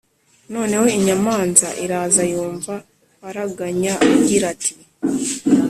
noneho inyamanza iraza yumva araganya agira ati